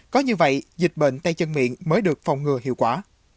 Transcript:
có như vậy dịch bệnh tay chân miệng mới được phòng ngừa hiệu quả